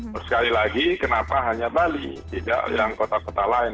terus sekali lagi kenapa hanya bali tidak yang kota kota lain